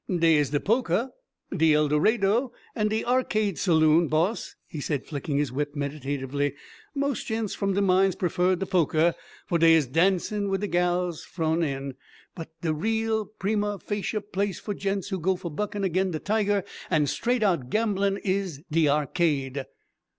"Dey is de 'Polka,' de 'El Dorado,' and de 'Arcade' saloon, boss," he said, flicking his whip meditatively. "Most gents from de mines prefer de 'Polka,' for dey is dancing wid de gals frown in. But de real prima facie place for gents who go for buckin' agin de tiger and straight out gamblin' is de Arcade.'"